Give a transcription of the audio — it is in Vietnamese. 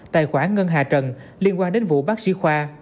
tài khoản ngân hà trần liên quan đến vụ bác sĩ khoa